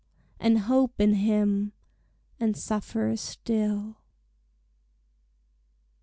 And hope in him, and suffer still.